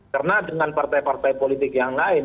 karena dengan partai partai politik yang lain